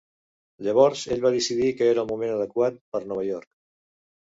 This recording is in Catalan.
Llavors ell va decidir que era el moment adequat per Nova York.